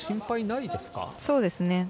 そうですね。